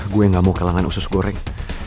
gue gak mau kalangan usus goreng